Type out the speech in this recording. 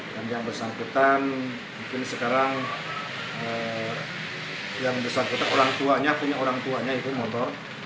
dan yang bersangkutan mungkin sekarang yang bersangkutan orang tuanya punya orang tuanya itu motor